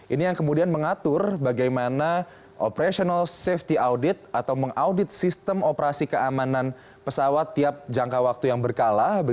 ini yang kemudian mengatur bagaimana operational safety audit atau mengaudit sistem operasi keamanan pesawat tiap jangka waktu yang berkala